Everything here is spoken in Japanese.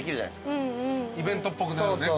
イベントっぽくなるね。